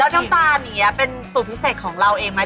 แล้วน้ำตานี่เป็นศูนย์พิเศษของเราเองไหม